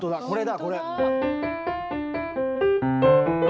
これだこれ。